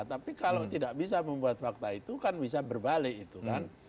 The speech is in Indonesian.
tapi kalau tidak bisa membuat fakta itu kan bisa berbalik itu kan